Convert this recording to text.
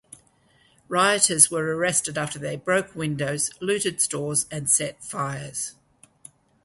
Rioters were arrested after they broke windows, looted stores and set fires.